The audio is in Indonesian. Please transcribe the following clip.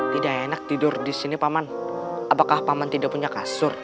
tidak enak tidur di sini paman apakah paman tidak punya kasur